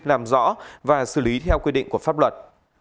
làm rõ và xử lý theo quy định của pháp luật